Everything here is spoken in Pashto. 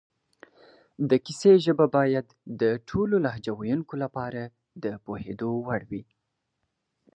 د کیسې ژبه باید د ټولو لهجو ویونکو لپاره د پوهېدو وړ وي